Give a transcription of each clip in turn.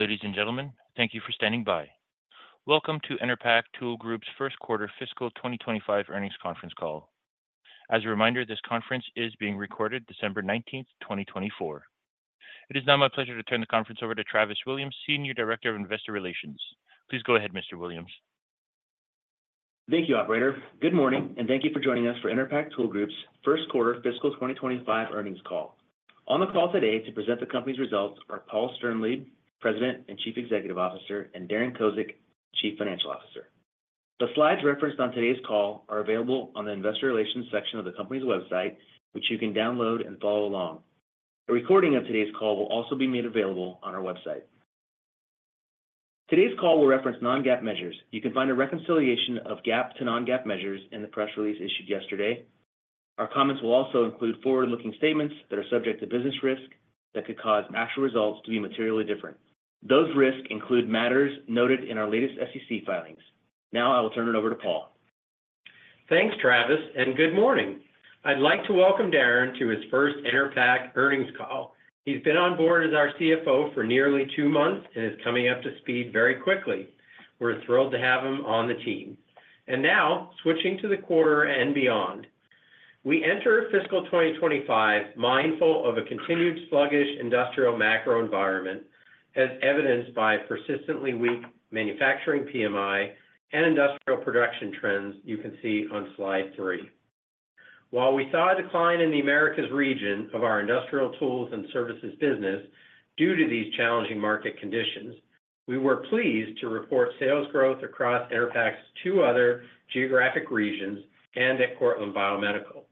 Ladies and gentlemen, thank you for standing by. Welcome to Enerpac Tool Group's first quarter fiscal 2025 earnings conference call. As a reminder, this conference is being recorded December 19th, 2024. It is now my pleasure to turn the conference over to Travis Williams, Senior Director of Investor Relations. Please go ahead, Mr. Williams. Thank you, Operator. Good morning, and thank you for joining us for Enerpac Tool Group's first quarter fiscal 2025 earnings call. On the call today to present the company's results are Paul Sternlieb, President and Chief Executive Officer, and Darren Kozik, Chief Financial Officer. The slides referenced on today's call are available on the Investor Relations section of the company's website, which you can download and follow along. A recording of today's call will also be made available on our website. Today's call will reference Non-GAAP measures. You can find a reconciliation of GAAP to Non-GAAP measures in the press release issued yesterday. Our comments will also include forward-looking statements that are subject to business risk that could cause actual results to be materially different. Those risks include matters noted in our latest SEC filings. Now I will turn it over to Paul. Thanks, Travis, and good morning. I'd like to welcome Darren to his first Enerpac earnings call. He's been on board as our CFO for nearly two months and is coming up to speed very quickly. We're thrilled to have him on the team. Now switching to the quarter and beyond, we enter fiscal 2025 mindful of a continued sluggish industrial macro environment, as evidenced by persistently weak manufacturing PMI and industrial production trends you can see on slide three. While we saw a decline in the Americas region of our industrial tools and services business due to these challenging market conditions, we were pleased to report sales growth across Enerpac's two other geographic regions and at Cortland Biomedical.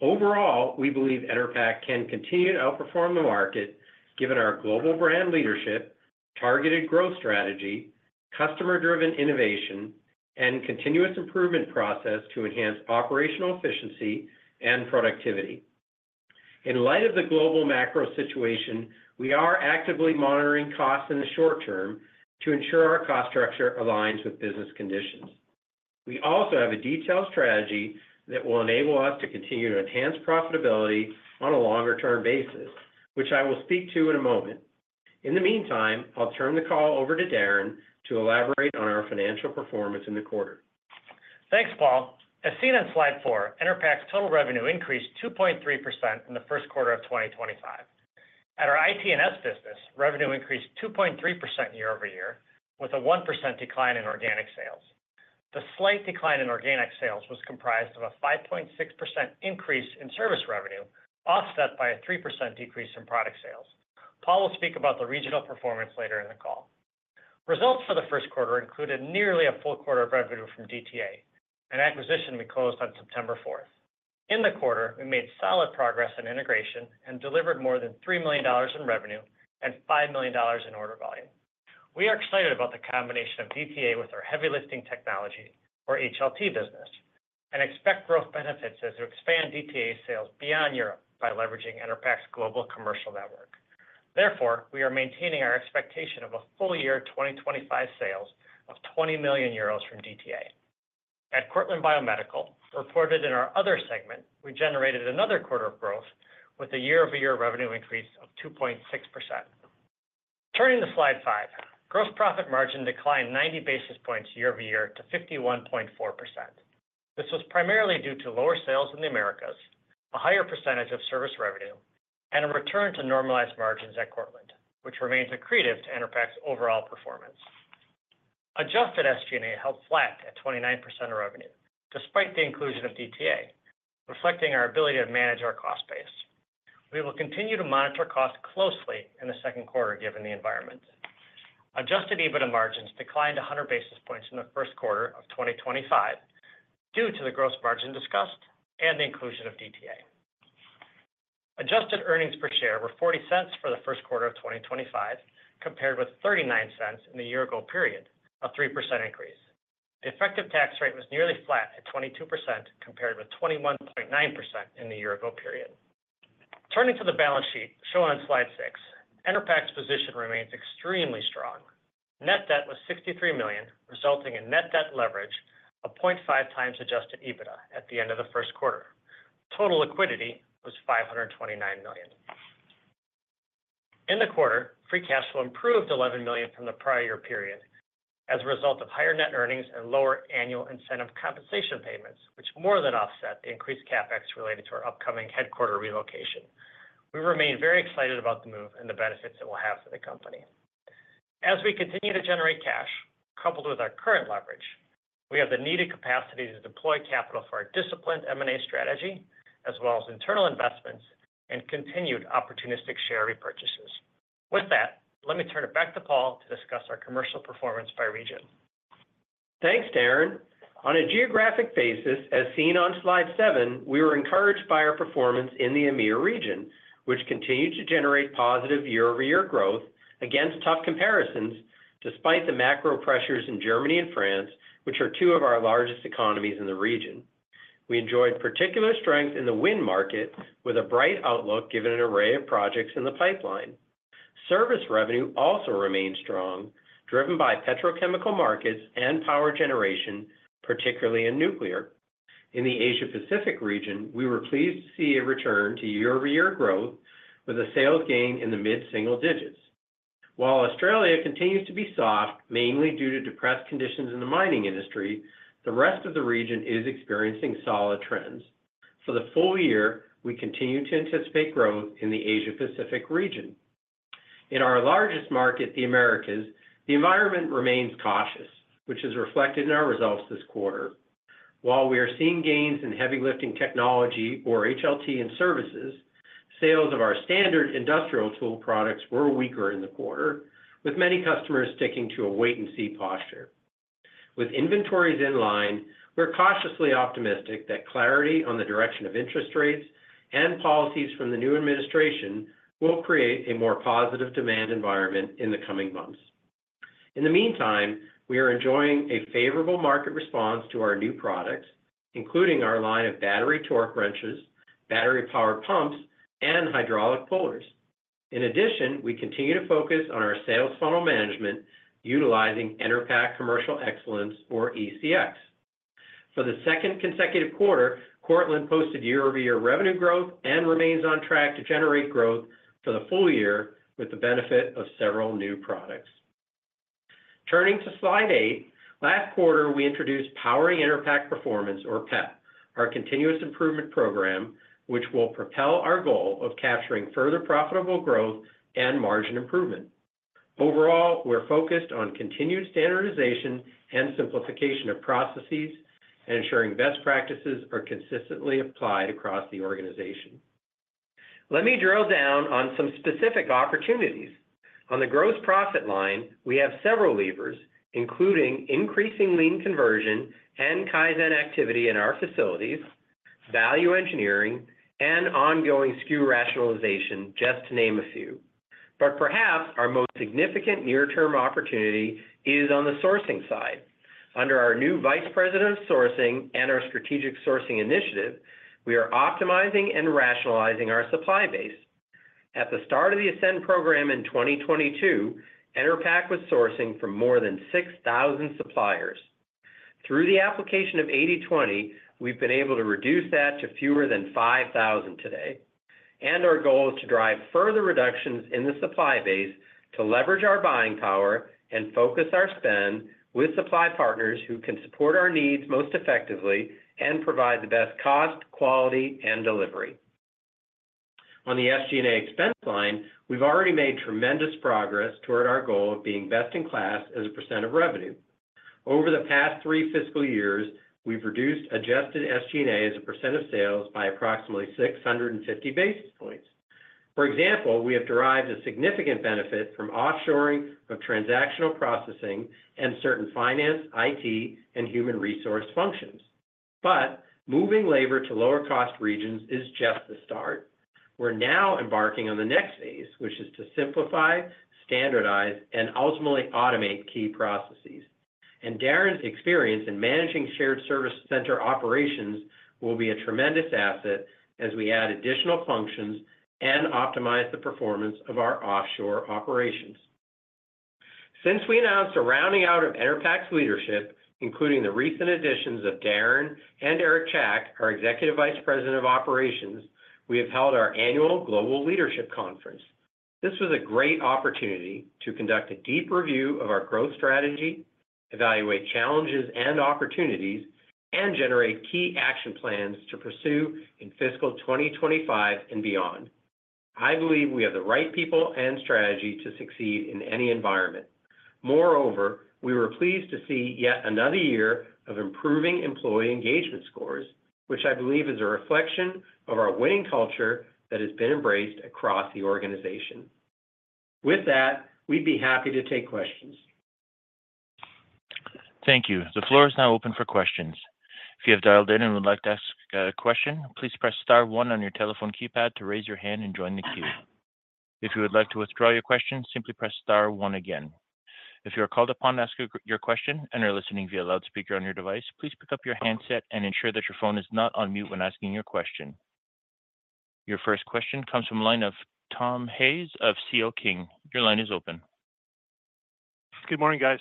Overall, we believe Enerpac can continue to outperform the market given our global brand leadership, targeted growth strategy, customer-driven innovation, and continuous improvement process to enhance operational efficiency and productivity. In light of the global macro situation, we are actively monitoring costs in the short term to ensure our cost structure aligns with business conditions. We also have a detailed strategy that will enable us to continue to enhance profitability on a longer-term basis, which I will speak to in a moment. In the meantime, I'll turn the call over to Darren to elaborate on our financial performance in the quarter. Thanks, Paul. As seen on slide four, Enerpac's total revenue increased 2.3% in the first quarter of 2025. At our IT&S business, revenue increased 2.3% year over year, with a 1% decline in organic sales. The slight decline in organic sales was comprised of a 5.6% increase in service revenue, offset by a 3% decrease in product sales. Paul will speak about the regional performance later in the call. Results for the first quarter included nearly a full quarter of revenue from DTA, an acquisition we closed on September 4th. In the quarter, we made solid progress in integration and delivered more than $3 million in revenue and $5 million in order volume. We are excited about the combination of DTA with our heavy lifting technology, or HLT, business, and expect growth benefits as we expand DTA sales beyond Europe by leveraging Enerpac's global commercial network. Therefore, we are maintaining our expectation of a full year 2025 sales of 20 million euros from DTA. At Cortland Biomedical, reported in our other segment, we generated another quarter of growth with a year-over-year revenue increase of 2.6%. Turning to slide five, gross profit margin declined 90 basis points year over year to 51.4%. This was primarily due to lower sales in the Americas, a higher percentage of service revenue, and a return to normalized margins at Cortland, which remains accretive to Enerpac's overall performance. Adjusted SG&A held flat at 29% of revenue, despite the inclusion of DTA, reflecting our ability to manage our cost base. We will continue to monitor costs closely in the second quarter given the environment. Adjusted EBITDA margins declined 100 basis points in the first quarter of 2025 due to the gross margin discussed and the inclusion of DTA. Adjusted earnings per share were $0.40 for the first quarter of 2025, compared with $0.39 in the year-ago period, a 3% increase. The effective tax rate was nearly flat at 22%, compared with 21.9% in the year-ago period. Turning to the balance sheet shown on slide six, Enerpac's position remains extremely strong. Net debt was $63 million, resulting in net debt leverage of 0.5 times adjusted EBITDA at the end of the first quarter. Total liquidity was $529 million. In the quarter, free cash flow improved $11 million from the prior year period as a result of higher net earnings and lower annual incentive compensation payments, which more than offset the increased CapEx related to our upcoming headquarters relocation. We remain very excited about the move and the benefits it will have for the company. As we continue to generate cash, coupled with our current leverage, we have the needed capacity to deploy capital for our disciplined M&A strategy, as well as internal investments and continued opportunistic share repurchases. With that, let me turn it back to Paul to discuss our commercial performance by region. Thanks, Darren. On a geographic basis, as seen on slide seven, we were encouraged by our performance in the EMEA region, which continued to generate positive year-over-year growth against tough comparisons, despite the macro pressures in Germany and France, which are two of our largest economies in the region. We enjoyed particular strength in the wind market, with a bright outlook given an array of projects in the pipeline. Service revenue also remained strong, driven by petrochemical markets and power generation, particularly in nuclear. In the Asia-Pacific region, we were pleased to see a return to year-over-year growth, with a sales gain in the mid-single digits. While Australia continues to be soft, mainly due to depressed conditions in the mining industry, the rest of the region is experiencing solid trends. For the full year, we continue to anticipate growth in the Asia-Pacific region. In our largest market, the Americas, the environment remains cautious, which is reflected in our results this quarter. While we are seeing gains in heavy lifting technology, or HLT, and services, sales of our standard industrial tool products were weaker in the quarter, with many customers sticking to a wait-and-see posture. With inventories in line, we're cautiously optimistic that clarity on the direction of interest rates and policies from the new administration will create a more positive demand environment in the coming months. In the meantime, we are enjoying a favorable market response to our new products, including our line of battery torque wrenches, battery-powered pumps, and hydraulic pullers. In addition, we continue to focus on our sales funnel management, utilizing Enerpac Commercial Excellence, or ECX. For the second consecutive quarter, Cortland posted year-over-year revenue growth and remains on track to generate growth for the full year with the benefit of several new products. Turning to slide eight, last quarter, we introduced Powering Enerpac Performance, or PEP, our continuous improvement program, which will propel our goal of capturing further profitable growth and margin improvement. Overall, we're focused on continued standardization and simplification of processes, ensuring best practices are consistently applied across the organization. Let me drill down on some specific opportunities. On the gross profit line, we have several levers, including increasing lean conversion and Kaizen activity in our facilities, value engineering, and ongoing SKU rationalization, just to name a few. But perhaps our most significant near-term opportunity is on the sourcing side. Under our new Vice President of Sourcing and our Strategic Sourcing Initiative, we are optimizing and rationalizing our supply base. At the start of the Ascend program in 2022, Enerpac was sourcing from more than 6,000 suppliers. Through the application of 80/20, we've been able to reduce that to fewer than 5,000 today. And our goal is to drive further reductions in the supply base to leverage our buying power and focus our spend with supply partners who can support our needs most effectively and provide the best cost, quality, and delivery. On the SG&A expense line, we've already made tremendous progress toward our goal of being best in class as a percent of revenue. Over the past three fiscal years, we've reduced adjusted SG&A as a percent of sales by approximately 650 basis points. For example, we have derived a significant benefit from offshoring of transactional processing and certain finance, IT, and human resource functions. But moving labor to lower-cost regions is just the start. We're now embarking on the next phase, which is to simplify, standardize, and ultimately automate key processes. And Darren's experience in managing shared service center operations will be a tremendous asset as we add additional functions and optimize the performance of our offshore operations. Since we announced a rounding out of Enerpac's leadership, including the recent additions of Darren and Eric Chack, our Executive Vice President of Operations, we have held our annual Global Leadership Conference. This was a great opportunity to conduct a deep review of our growth strategy, evaluate challenges and opportunities, and generate key action plans to pursue in fiscal 2025 and beyond. I believe we have the right people and strategy to succeed in any environment. Moreover, we were pleased to see yet another year of improving employee engagement scores, which I believe is a reflection of our winning culture that has been embraced across the organization. With that, we'd be happy to take questions. Thank you. The floor is now open for questions. If you have dialed in and would like to ask a question, please press star one on your telephone keypad to raise your hand and join the queue. If you would like to withdraw your question, simply press star one again. If you are called upon to ask your question and are listening via loudspeaker on your device, please pick up your handset and ensure that your phone is not on mute when asking your question. Your first question comes from line of Tom Hayes of CL King. Your line is open. Good morning, guys.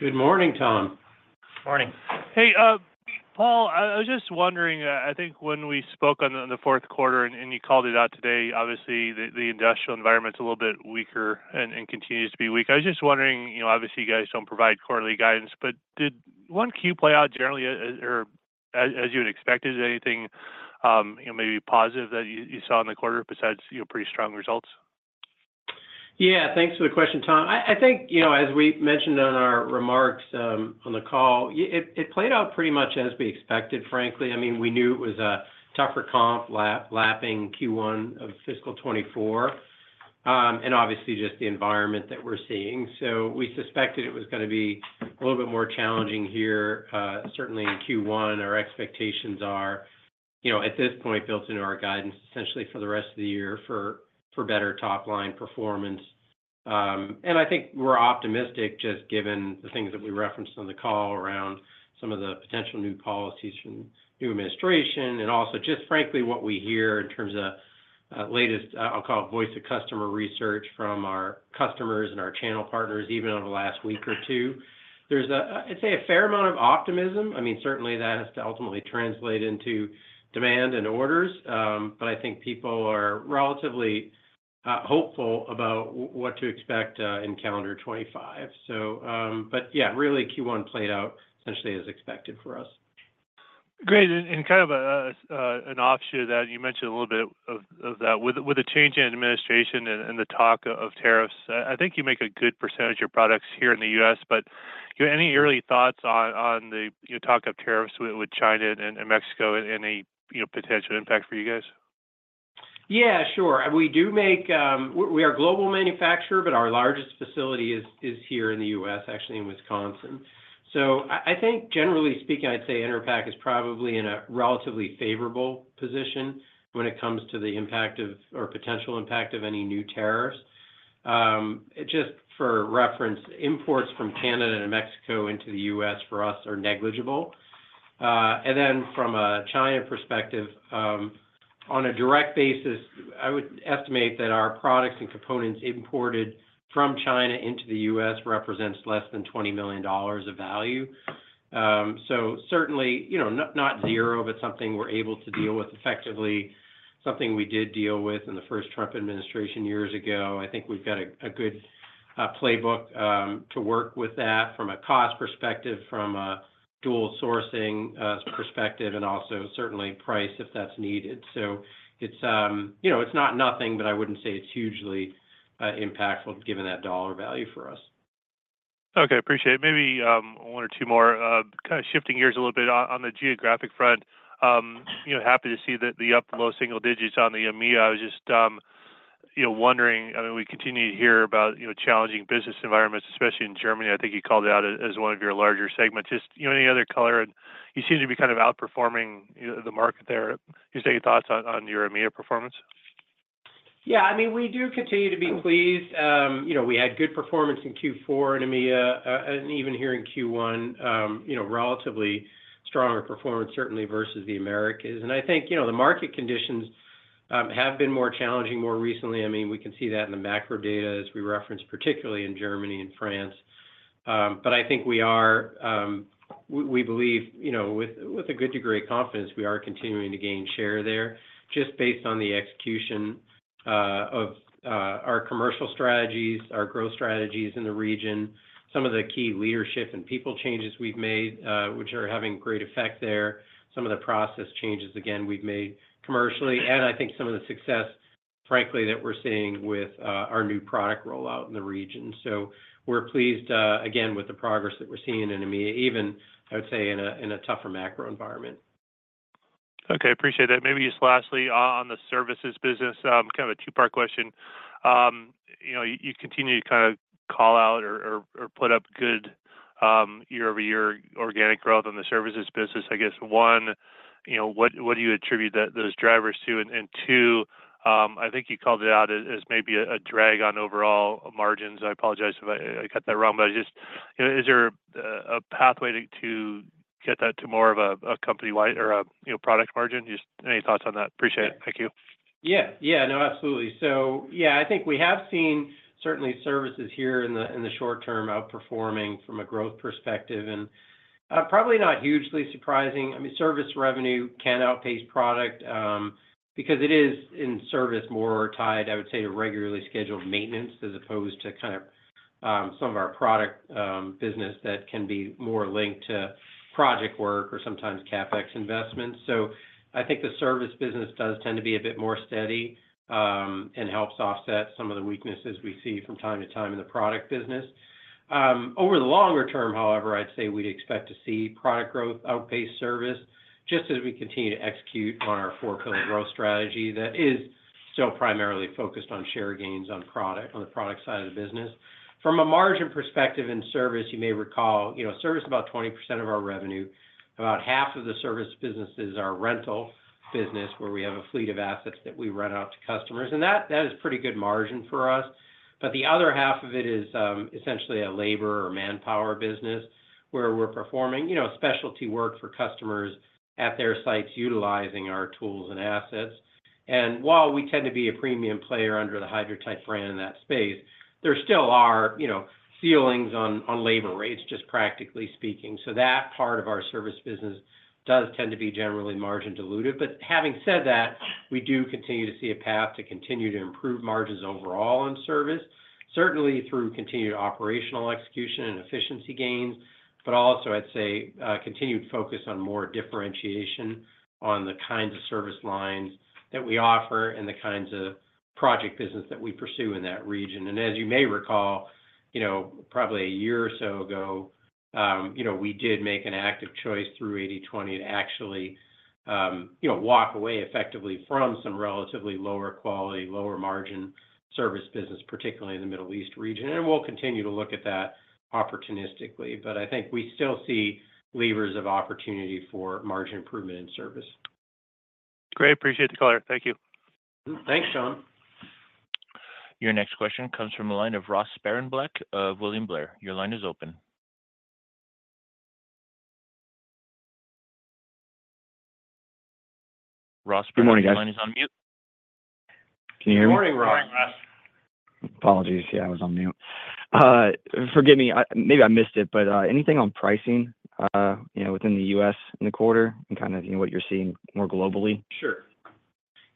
Good morning, Tom. Morning. Hey, Paul, I was just wondering. I think when we spoke on the fourth quarter and you called it out today, obviously the industrial environment's a little bit weaker and continues to be weak. I was just wondering, obviously you guys don't provide quarterly guidance, but did Q1 play out generally as you had expected? Anything maybe positive that you saw in the quarter besides pretty strong results? Yeah, thanks for the question, Tom. I think, as we mentioned in our remarks on the call, it played out pretty much as we expected, frankly. I mean, we knew it was a tougher comp lapping Q1 of fiscal 2024 and obviously just the environment that we're seeing. So we suspected it was going to be a little bit more challenging here, certainly in Q1. Our expectations are at this point built into our guidance essentially for the rest of the year for better top-line performance. And I think we're optimistic just given the things that we referenced on the call around some of the potential new policies from the new administration and also just frankly what we hear in terms of latest, I'll call it voice of customer research from our customers and our channel partners, even over the last week or two. There's, I'd say, a fair amount of optimism. I mean, certainly that has to ultimately translate into demand and orders, but I think people are relatively hopeful about what to expect in calendar 2025. But yeah, really Q1 played out essentially as expected for us. Great. And kind of an offshoot of that, you mentioned a little bit of that. With the change in administration and the talk of tariffs, I think you make a good percentage of your products here in the U.S., but any early thoughts on the talk of tariffs with China and Mexico and any potential impact for you guys? Yeah, sure. We are a global manufacturer, but our largest facility is here in the U.S., actually in Wisconsin. So I think, generally speaking, I'd say Enerpac is probably in a relatively favorable position when it comes to the impact of or potential impact of any new tariffs. Just for reference, imports from Canada and Mexico into the U.S. for us are negligible. And then from a China perspective, on a direct basis, I would estimate that our products and components imported from China into the U.S. represent less than $20 million of value. So certainly not zero, but something we're able to deal with effectively, something we did deal with in the first Trump administration years ago. I think we've got a good playbook to work with that from a cost perspective, from a dual sourcing perspective, and also certainly price if that's needed. So it's not nothing, but I wouldn't say it's hugely impactful given that dollar value for us. Okay, appreciate it. Maybe one or two more. Kind of shifting gears a little bit on the geographic front, happy to see the up, low single digits on the EMEA. I was just wondering, I mean, we continue to hear about challenging business environments, especially in Germany. I think you called it out as one of your larger segments. Just any other color? And you seem to be kind of outperforming the market there. Just any thoughts on your EMEA performance? Yeah, I mean, we do continue to be pleased. We had good performance in Q4 in EMEA and even here in Q1, relatively stronger performance certainly versus the Americas, and I think the market conditions have been more challenging more recently. I mean, we can see that in the macro data as we referenced, particularly in Germany and France, but I think we are, we believe with a good degree of confidence, we are continuing to gain share there just based on the execution of our commercial strategies, our growth strategies in the region, some of the key leadership and people changes we've made, which are having great effect there, some of the process changes, again, we've made commercially, and I think some of the success, frankly, that we're seeing with our new product rollout in the region. So we're pleased, again, with the progress that we're seeing in EMEA, even, I would say, in a tougher macro environment. Okay, appreciate that. Maybe just lastly on the services business, kind of a two-part question. You continue to kind of call out or put up good year-over-year organic growth on the services business. I guess, one, what do you attribute those drivers to? And two, I think you called it out as maybe a drag on overall margins. I apologize if I got that wrong, but is there a pathway to get that to more of a company-wide or a product margin? Just any thoughts on that? Appreciate it. Thank you. Yeah. Yeah, no, absolutely, so yeah, I think we have seen certainly services here in the short term outperforming from a growth perspective, and probably not hugely surprising. I mean, service revenue can outpace product because it is in service more tied, I would say, to regularly scheduled maintenance as opposed to kind of some of our product business that can be more linked to project work or sometimes CapEx investments, so I think the service business does tend to be a bit more steady and helps offset some of the weaknesses we see from time to time in the product business. Over the longer term, however, I'd say we'd expect to see product growth outpace service just as we continue to execute on our four-pillar growth strategy that is still primarily focused on share gains on the product side of the business. From a margin perspective in service, you may recall service is about 20% of our revenue. About half of the service businesses are rental business where we have a fleet of assets that we rent out to customers. And that is pretty good margin for us. But the other half of it is essentially a labor or manpower business where we're performing specialty work for customers at their sites utilizing our tools and assets. And while we tend to be a premium player under the Hydratight brand in that space, there still are ceilings on labor rates, just practically speaking. So that part of our service business does tend to be generally margin-diluted. But having said that, we do continue to see a path to continue to improve margins overall on service, certainly through continued operational execution and efficiency gains, but also, I'd say, continued focus on more differentiation on the kinds of service lines that we offer and the kinds of project business that we pursue in that region. And as you may recall, probably a year or so ago, we did make an active choice through 80/20 to actually walk away effectively from some relatively lower quality, lower margin service business, particularly in the Middle East region. And we'll continue to look at that opportunistically. But I think we still see levers of opportunity for margin improvement in service. Great. Appreciate the color. Thank you. Thanks, Sean. Your next question comes from the line of Ross Sparenblek of William Blair. Your line is open. Good morning, guys. Your line is on mute. Can you hear me? Good morning, Ross. Apologies. Yeah, I was on mute. Forgive me. Maybe I missed it, but anything on pricing within the U.S. in the quarter and kind of what you're seeing more globally? Sure.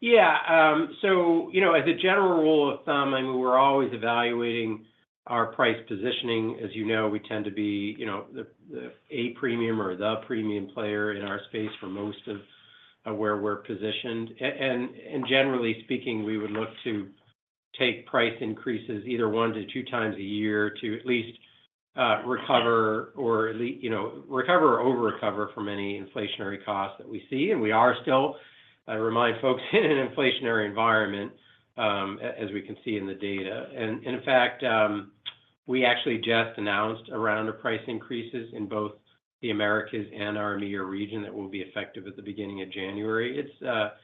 Yeah. So as a general rule of thumb, I mean, we're always evaluating our price positioning. As you know, we tend to be the A premium or the premium player in our space for most of where we're positioned. And generally speaking, we would look to take price increases either one to two times a year to at least recover or over-recover from any inflationary costs that we see. And we are still, I remind folks, in an inflationary environment, as we can see in the data. And in fact, we actually just announced a round of price increases in both the Americas and our EMEA region that will be effective at the beginning of January. It's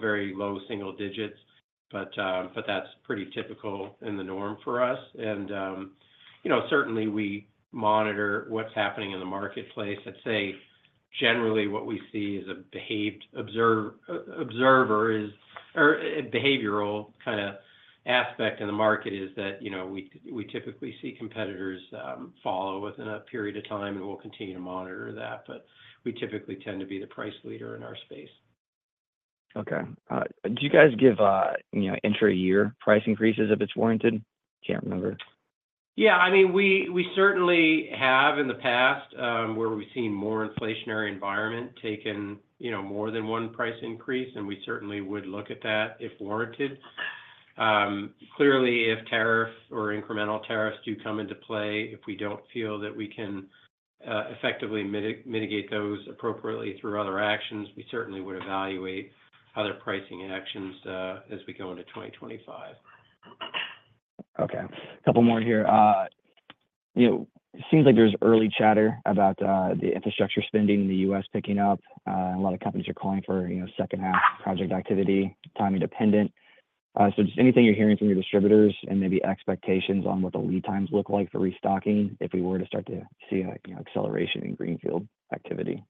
very low single digits, but that's pretty typical and the norm for us. And certainly, we monitor what's happening in the marketplace. I'd say generally what we see as a behaved observer is a behavioral kind of aspect in the market is that we typically see competitors follow within a period of time, and we'll continue to monitor that. But we typically tend to be the price leader in our space. Okay. Do you guys give intra-year price increases if it's warranted? Can't remember. Yeah. I mean, we certainly have in the past where we've seen more inflationary environment taken more than one price increase, and we certainly would look at that if warranted. Clearly, if tariffs or incremental tariffs do come into play, if we don't feel that we can effectively mitigate those appropriately through other actions, we certainly would evaluate other pricing actions as we go into 2025. Okay. A couple more here. It seems like there's early chatter about the infrastructure spending in the U.S. picking up. A lot of companies are calling for second-half project activity, timing dependent. So just anything you're hearing from your distributors and maybe expectations on what the lead times look like for restocking if we were to start to see acceleration in greenfield activity.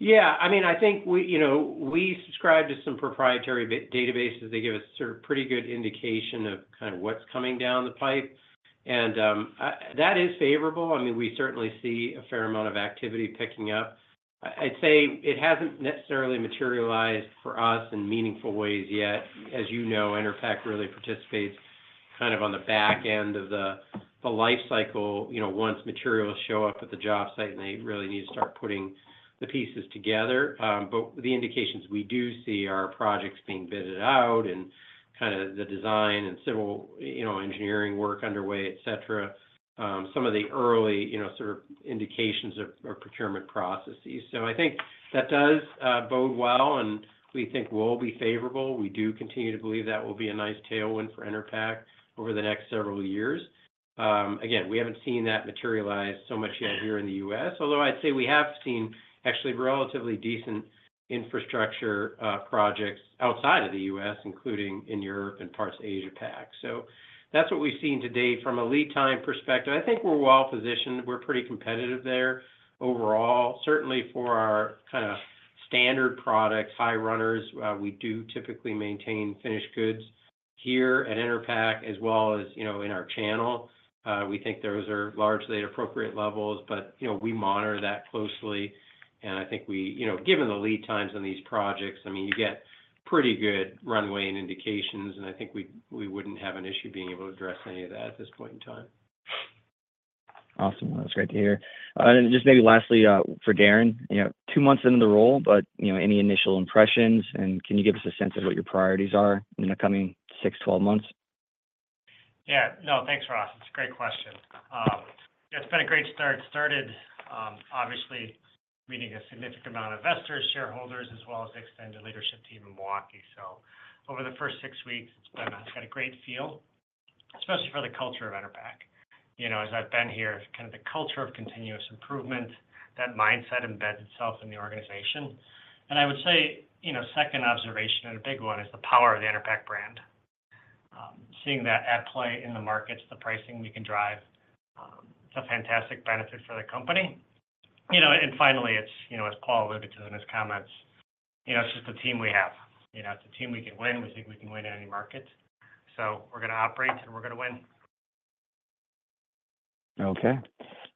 Yeah. I mean, I think we subscribe to some proprietary databases. They give us sort of pretty good indication of kind of what's coming down the pipe. And that is favorable. I mean, we certainly see a fair amount of activity picking up. I'd say it hasn't necessarily materialized for us in meaningful ways yet. As you know, Enerpac really participates kind of on the back end of the life cycle once materials show up at the job site and they really need to start putting the pieces together. But the indications we do see are projects being bidded out and kind of the design and civil engineering work underway, etc., some of the early sort of indications of procurement processes. So I think that does bode well, and we think will be favorable. We do continue to believe that will be a nice tailwind for Enerpac over the next several years. Again, we haven't seen that materialize so much yet here in the U.S., although I'd say we have seen actually relatively decent infrastructure projects outside of the U.S., including in Europe and parts of Asia-Pac. So that's what we've seen to date from a lead time perspective. I think we're well positioned. We're pretty competitive there overall. Certainly for our kind of standard products, high runners, we do typically maintain finished goods here at Enerpac as well as in our channel. We think those are largely at appropriate levels, but we monitor that closely. And I think given the lead times on these projects, I mean, you get pretty good runway and indications, and I think we wouldn't have an issue being able to address any of that at this point in time. Awesome. That's great to hear. And just maybe lastly for Darren, two months into the role, but any initial impressions? And can you give us a sense of what your priorities are in the coming six, 12 months? Yeah. No, thanks, Ross. It's a great question. It's been a great start. Started, obviously, meeting a significant amount of investors, shareholders, as well as the extended leadership team in Milwaukee. So over the first six weeks, it's been a great feel, especially for the culture of Enerpac. As I've been here, kind of the culture of continuous improvement, that mindset embeds itself in the organization. And I would say second observation, and a big one, is the power of the Enerpac brand. Seeing that at play in the markets, the pricing we can drive, it's a fantastic benefit for the company. And finally, as Paul alluded to in his comments, it's just the team we have. It's a team we can win. We think we can win in any market. So we're going to operate, and we're going to win. Okay.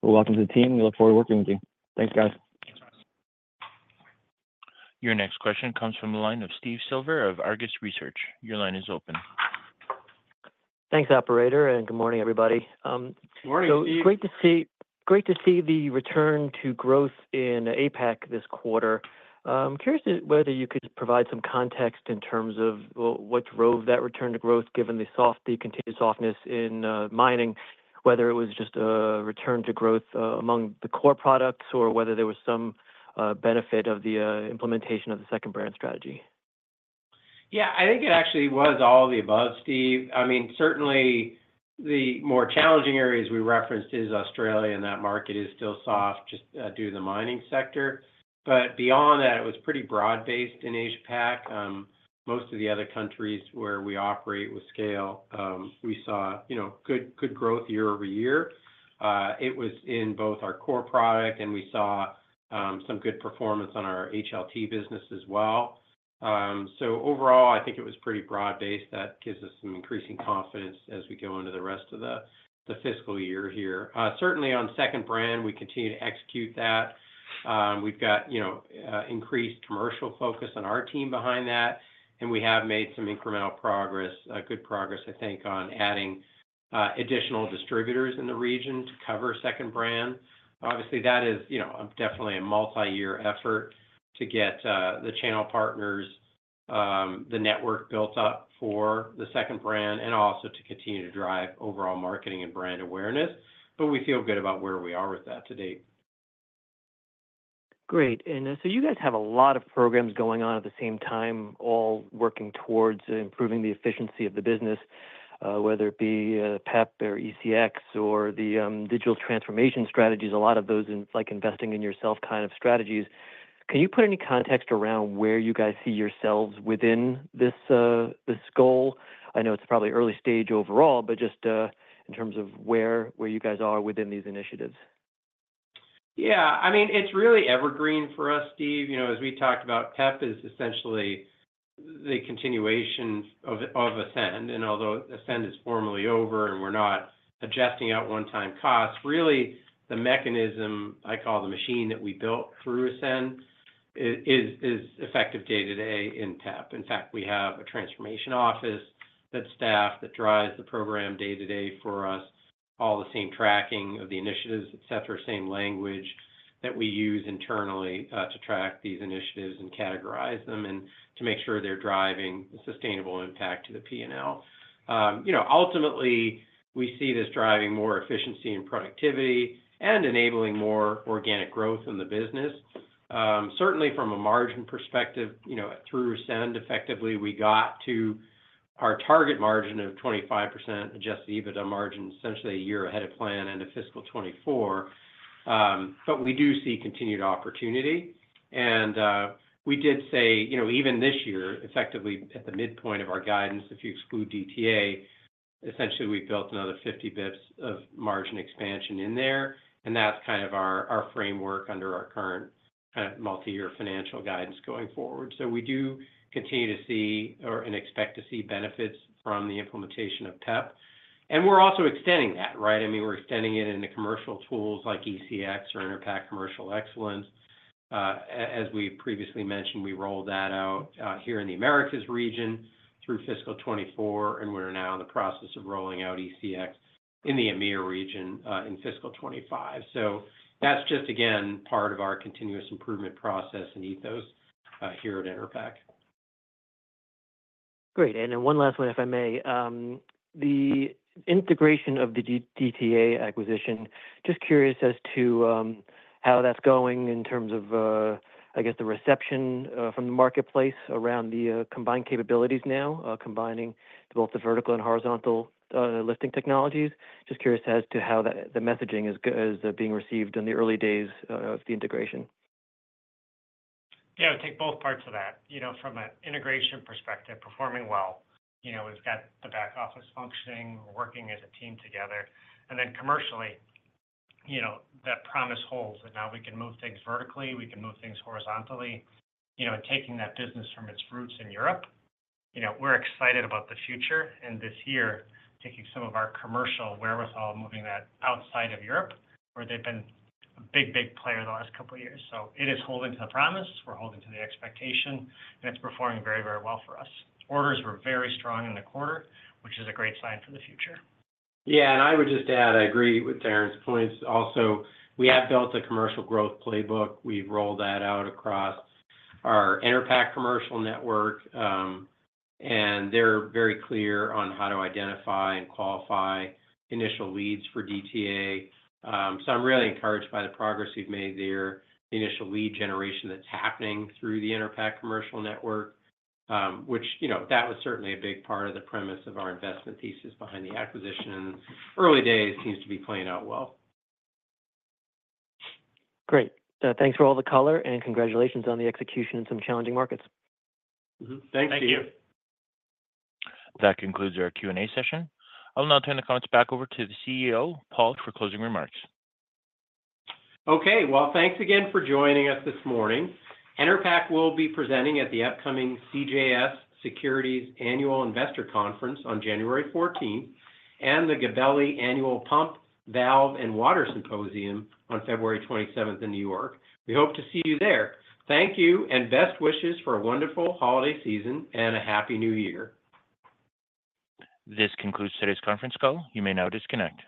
Well, welcome to the team. We look forward to working with you. Thanks, guys. Thanks, Ross. Your next question comes from the line of Steve Silver of Argus Research. Your line is open. Thanks, operator. Good morning, everybody. Good morning, Steve. So it's great to see the return to growth in APAC this quarter. I'm curious whether you could provide some context in terms of what drove that return to growth given the continued softness in mining, whether it was just a return to growth among the core products or whether there was some benefit of the implementation of the second-brand strategy? Yeah. I think it actually was all of the above, Steve. I mean, certainly, the more challenging areas we referenced is Australia, and that market is still soft just due to the mining sector. But beyond that, it was pretty broad-based in Asia-Pac. Most of the other countries where we operate with scale, we saw good growth year over year. It was in both our core product, and we saw some good performance on our HLT business as well. So overall, I think it was pretty broad-based. That gives us some increasing confidence as we go into the rest of the fiscal year here. Certainly, on second-brand, we continue to execute that. We've got increased commercial focus on our team behind that, and we have made some incremental progress, good progress, I think, on adding additional distributors in the region to cover second-brand. Obviously, that is definitely a multi-year effort to get the channel partners, the network built up for the second-brand, and also to continue to drive overall marketing and brand awareness, but we feel good about where we are with that to date. Great. And so you guys have a lot of programs going on at the same time, all working towards improving the efficiency of the business, whether it be PEP or ECX or the digital transformation strategies, a lot of those investing-in-yourself kind of strategies. Can you put any context around where you guys see yourselves within this goal? I know it's probably early stage overall, but just in terms of where you guys are within these initiatives. Yeah. I mean, it's really evergreen for us, Steve. As we talked about, PEP is essentially the continuation of Ascend. And although Ascend is formally over and we're not adjusting out one-time costs, really, the mechanism I call the machine that we built through Ascend is effective day-to-day in PEP. In fact, we have a transformation office that's staffed that drives the program day-to-day for us, all the same tracking of the initiatives, etc., same language that we use internally to track these initiatives and categorize them and to make sure they're driving the sustainable impact to the P&L. Ultimately, we see this driving more efficiency and productivity and enabling more organic growth in the business. Certainly, from a margin perspective, through Ascend, effectively, we got to our target margin of 25% Adjusted EBITDA margin, essentially a year ahead of plan and to fiscal 2024. But we do see continued opportunity. And we did say, even this year, effectively at the midpoint of our guidance, if you exclude DTA, essentially, we built another 50 basis points of margin expansion in there. And that's kind of our framework under our current kind of multi-year financial guidance going forward. So we do continue to see or expect to see benefits from the implementation of PEP. And we're also extending that, right? I mean, we're extending it into commercial tools like ECX or Enerpac Commercial Excellence. As we previously mentioned, we rolled that out here in the Americas region through fiscal 2024, and we're now in the process of rolling out ECX in the EMEA region in fiscal 2025. So that's just, again, part of our continuous improvement process and ethos here at Enerpac. Great. And one last one, if I may. The integration of the DTA acquisition, just curious as to how that's going in terms of, I guess, the reception from the marketplace around the combined capabilities now, combining both the vertical and horizontal lifting technologies. Just curious as to how the messaging is being received in the early days of the integration. Yeah. I would take both parts of that. From an integration perspective, performing well. We've got the back office functioning. We're working as a team together, and then commercially, that promise holds that now we can move things vertically. We can move things horizontally, and taking that business from its roots in Europe, we're excited about the future. And this year, taking some of our commercial wherewithal, moving that outside of Europe, where they've been a big, big player the last couple of years. So it is holding to the promise. We're holding to the expectation, and it's performing very, very well for us. Orders were very strong in the quarter, which is a great sign for the future. Yeah, and I would just add, I agree with Darren's points. Also, we have built a commercial growth playbook. We've rolled that out across our Enerpac commercial network, and they're very clear on how to identify and qualify initial leads for DTA. So I'm really encouraged by the progress we've made there, the initial lead generation that's happening through the Enerpac commercial network, which that was certainly a big part of the premise of our investment thesis behind the acquisition. In the early days, it seems to be playing out well. Great. Thanks for all the color, and congratulations on the execution in some challenging markets. Thank you. That concludes our Q&A session. I'll now turn the comments back over to the CEO, Paul, for closing remarks. Okay. Well, thanks again for joining us this morning. Enerpac will be presenting at the upcoming CJS Securities Annual Investor Conference on January 14th and the Gabelli Annual Pump, Valve, and Water Symposium on February 27th in New York. We hope to see you there. Thank you, and best wishes for a wonderful holiday season and a happy new year. This concludes today's conference call. You may now disconnect.